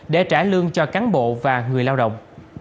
để trả lương cho cán bộ và người lao động